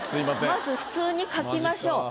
まず普通に書きましょう。